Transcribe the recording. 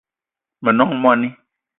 Me nong moni